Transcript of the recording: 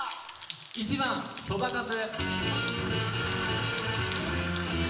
１番「そばかす」。